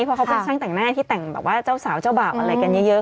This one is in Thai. เพราะเขาเป็นช่างแต่งหน้าที่แต่งแบบว่าเจ้าสาวเจ้าบาปอะไรกันเยอะ